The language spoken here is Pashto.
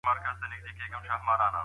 نا لوستې ښځه د کور ښه انتظام نه سي کولای.